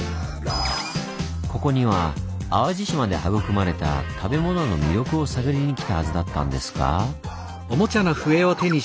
ここには淡路島で育まれた食べ物の魅力を探りに来たはずだったんですが。